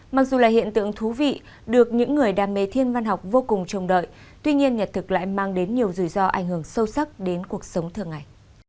mặc dù là hiện tượng thú vị được những người đam mê thiên văn học vô cùng chồng đợi tuy nhiên nhật thực lại mang đến nhiều rủi ro ảnh hưởng sâu sắc đến cuộc sống thường ngày